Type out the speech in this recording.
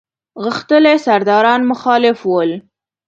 غښتلي سرداران مخالف ول.